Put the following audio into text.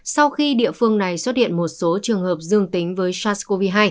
sau khi địa phương này xuất hiện một số trường hợp dương tính với sars cov hai